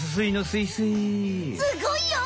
すごいよ！